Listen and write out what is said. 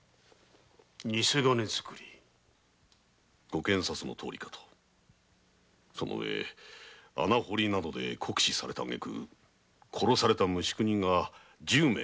ご賢察のとおりかとその上穴掘りなどで酷使されたあげく殺された無宿人が十名ほど。